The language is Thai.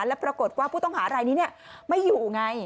แล้วปรากฏว่าผู้ต้องหารายนี้ไม่อยู่ไง